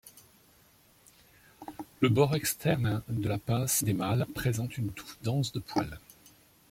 Le bord externe de la pince des mâles présente une touffe dense de poils.